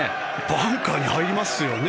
バンカーに入りますよね